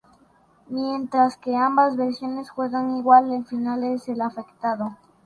Mientras que ambas versiones juegan igual, el final es el afectado.